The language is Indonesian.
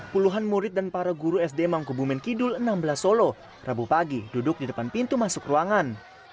puluhan murid dan para guru sd mangkubumen kidul enam belas solo rabu pagi duduk di depan pintu masuk ruangan